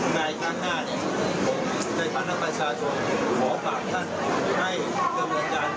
ในหน้าค้าผมในพรรภาษาชมขอบาปท่านให้เจ้าเมืองจำน